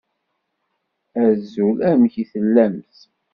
Azul! Amek i tellamt?